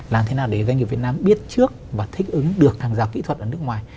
làm thế nào để doanh nghiệp việt nam biết trước và thích ứng được hàng rào kỹ thuật ở nước ngoài